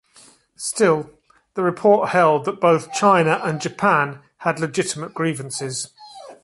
Still, the report held that both China and Japan had legitimate grievances.